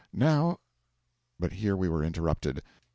Now ' But here we were interrupted.